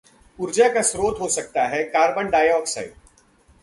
ऊर्जा का स्रोत हो सकता है कार्बन डाईऑक्साइड